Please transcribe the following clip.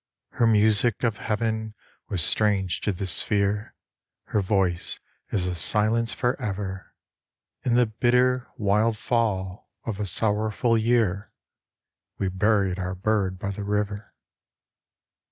Her music of Heaven was strange to this sphere, Her voice is a silence for ever; In the bitter, wild fall of a sorrowful year, We buried our bird by the river.